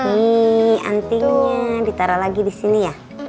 ini antingnya ditaruh lagi di sini ya